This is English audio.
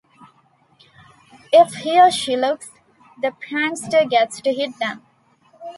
If he or she looks, the prankster gets to hit them.